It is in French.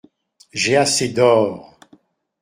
J’ai assez d’or.